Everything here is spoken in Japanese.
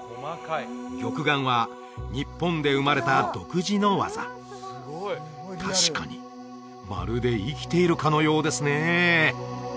玉眼は日本で生まれた独自の技確かにまるで生きているかのようですね